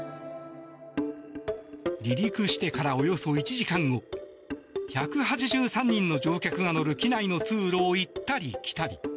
離陸してからおよそ１時間後１８３人の乗客が乗る機内の通路を行ったり来たり。